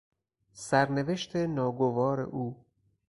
سرنوشت ناگوار او